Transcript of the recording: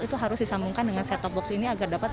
itu harus disambungkan dengan set top box ini